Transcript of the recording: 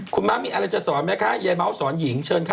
คุณม้ามีอะไรจะสอนไหมคะยายเม้าสอนหญิงเชิญค่ะ